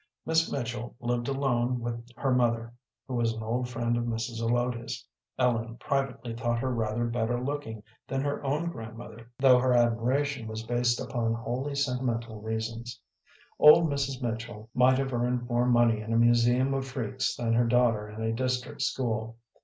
Miss Mitchell lived alone with her mother, who was an old friend of Mrs. Zelotes. Ellen privately thought her rather better looking than her own grandmother, though her admiration was based upon wholly sentimental reasons. Old Mrs. Mitchell might have earned more money in a museum of freaks than her daughter in a district school.